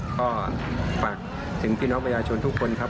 ก็ฝากถึงพี่น้องประชาชนทุกคนครับ